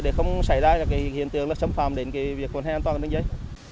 để không xảy ra hiện tượng xâm phạm đến việc quan hệ an toàn trên đường dây